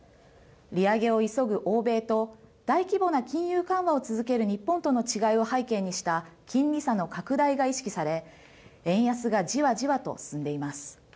利上げを急ぐ欧米と大規模な金融緩和を続ける日本との違いを背景にした金利差の拡大が意識され円安がじわじわと進んでいます。